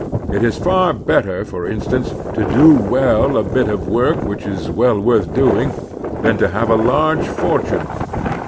It is far better, for instance, to do well a bit of work which is well worth doing, than to have a large fortune.